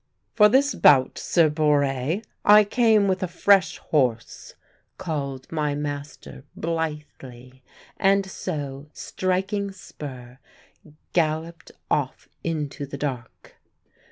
"For this bout, Sir Borre, I came with a fresh horse!" called my master blithely; and so, striking spur, galloped off into the dark.